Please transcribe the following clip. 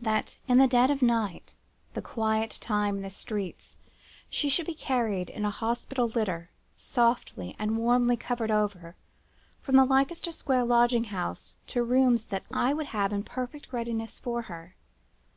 That in the dead of night—the quiet time in the streets,—she should be carried in a hospital litter, softly and warmly covered over, from the Leicester Square lodging house to rooms that I would have in perfect readiness for her.